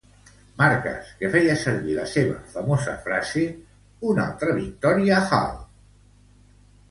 Markas, que feia servir la seva famosa frase "Una altra victòria Halo!"